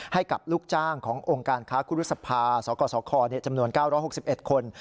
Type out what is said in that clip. ให้กับลูกจ้างขององค์การค้าคุรุษภาสกสคจำนวน๙๖๑คน